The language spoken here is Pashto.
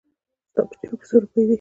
ستا په جېب کې څو روپۍ دي؟